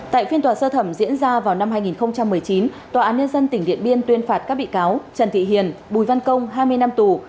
tại phiên tòa sơ thẩm diễn ra vào năm hai nghìn một mươi chín tòa án nhân dân tỉnh điện biên tuyên phạt các bị cáo trần thị hiền bùi văn công hai mươi năm tù